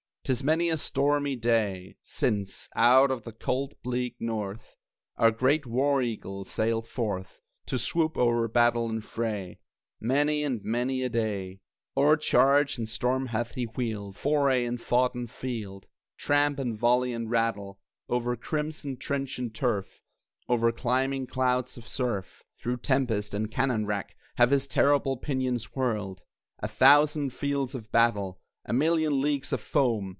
'Tis many a stormy day Since, out of the cold bleak north, Our great war eagle sailed forth To swoop o'er battle and fray. Many and many a day O'er charge and storm hath he wheeled, Foray and foughten field, Tramp, and volley, and rattle! Over crimson trench and turf, Over climbing clouds of surf, Through tempest and cannon wrack, Have his terrible pinions whirled (A thousand fields of battle! A million leagues of foam!)